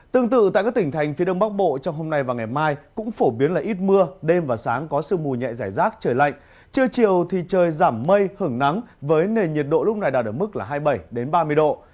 tương tự tại các tỉnh thành phía đông bắc bộ trong hôm nay và ngày mai cũng phổ biến là ít mưa đêm và sáng có sương mù nhẹ giải rác trời lạnh trưa chiều thì trời giảm mây hưởng nắng với nền nhiệt độ lúc này đạt ở mức hai mươi bảy ba mươi độ